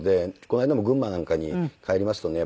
この間も群馬なんかに帰りますとね